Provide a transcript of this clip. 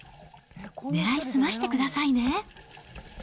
狙い澄ましてくださいね。